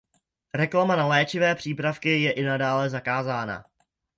Reklama na léčivé přípravky je i nadále zakázána.